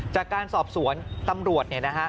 จากการสอบสวนตำรวจเนี่ยนะฮะ